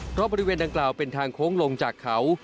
เพราะบริเวณดังกล่าวเป็นทางโค้งลงจากเขา